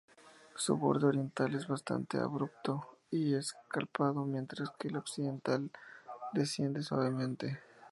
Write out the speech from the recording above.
Su borde oriental es bastante abrupto y escarpado mientras que el occidental desciende suavemente.